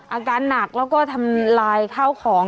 อาการหนักแล้วก็ทำลายข้าวของ